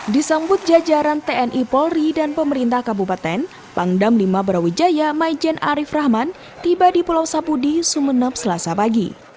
disambut jajaran tni polri dan pemerintah kabupaten pangdam lima brawijaya maijen arief rahman tiba di pulau sapudi sumeneb selasa pagi